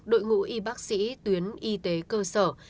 đội ngũ y bác sĩ tuyến y tế cơ sở